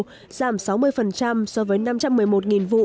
giảm sáu mươi so với năm trăm một mươi một vụ